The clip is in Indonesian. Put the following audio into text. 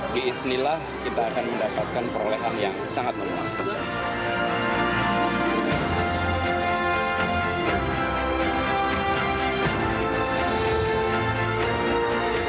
diiznillah kita akan mendapatkan perolehan yang sangat menyenangkan